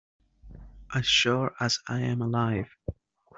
As sure as I am alive.